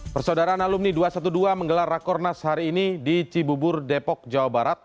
persaudaraan alumni dua ratus dua belas menggelar rakornas hari ini di cibubur depok jawa barat